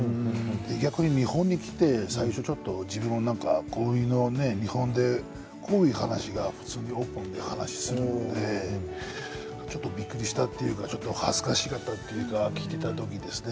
逆に日本に来て最初ちょっと日本でこういう話がオープンに話をするのってちょっとびっくりしたというか恥ずかしかったというか聞いた時にね。